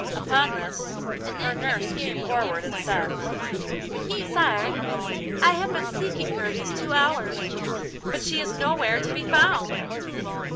Upon this her nurse came forward and said: 'Sire, I have been seeking her these two hours, but she is nowhere to be found.